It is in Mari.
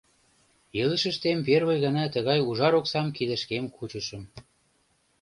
Илышыштем первый гана тыгай ужар оксам кидышкем кучышым.